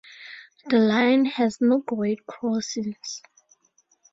The line has no grade crossings.